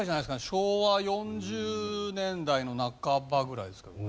昭和４０年代の半ばぐらいですけど。